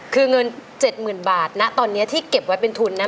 คือเงิน๗๐๐๐บาทนะตอนนี้ที่เก็บไว้เป็นทุนนะ